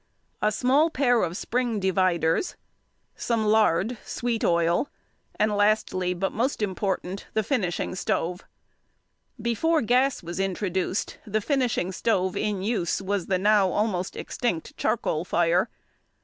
A small pair of spring dividers, some lard, sweet oil, and lastly, but most important, the finishing stove. Before gas was introduced the finishing stove in use was the now almost extinct charcoal fire.